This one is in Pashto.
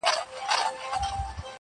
دا کیسه موږ ته را پاته له پېړیو،